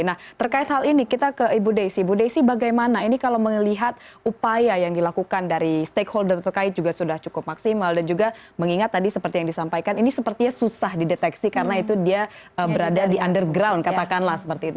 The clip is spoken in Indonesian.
nah terkait hal ini kita ke ibu desi bu desi bagaimana ini kalau melihat upaya yang dilakukan dari stakeholder terkait juga sudah cukup maksimal dan juga mengingat tadi seperti yang disampaikan ini sepertinya susah dideteksi karena itu dia berada di underground katakanlah seperti itu